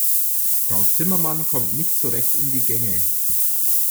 Frau Zimmermann kommt nicht so recht in die Gänge.